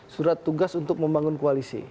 surat tugas untuk membangun koalisi